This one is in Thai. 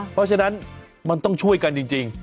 เพราะฉะนั้นมันต้องช่วยกันจริง